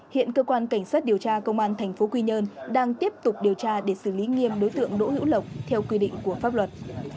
hiện cơ quan cảnh sát điều tra công an tp quy nhơn đang tiếp tục điều tra để xử lý nghiêm đối tượng đỗ hữu lộc theo quy định của pháp luật